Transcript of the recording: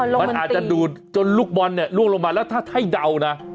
มันอาจจะดูดจนลูกบอลเนี่ยล่วงลงมาแล้วถ้าให้เดานะ